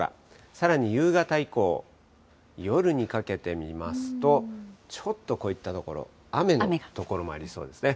さらに夕方以降、夜にかけて見ますと、ちょっとこういった所、雨の所もありそうですね。